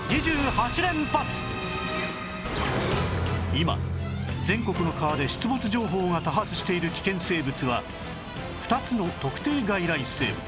今全国の川で出没情報が多発している危険生物は２つの特定外来生物